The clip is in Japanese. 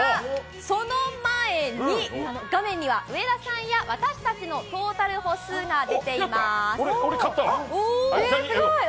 その前に画面には上田さんや私たちのトータル歩数が出ています。